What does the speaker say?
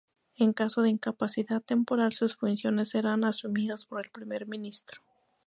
En caso de incapacidad temporal sus funciones serán asumidas por el primer ministro.